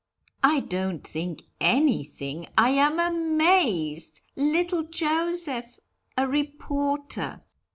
"I don't think anything I am amazed! Little Joseph a reporter!"